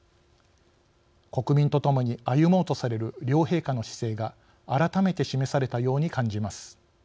国民とともに歩もうとされる両陛下の姿勢が改めて示されたように感じます。